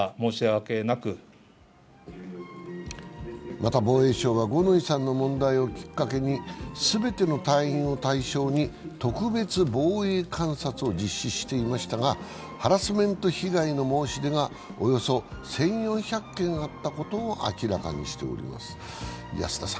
また、防衛省は五ノ井さんの問題をきっかけに、全ての隊員を対象に特別防衛監察を実施していましたがハラスメント被害の申し出がおよそ１４００件あったことを明らかにしています。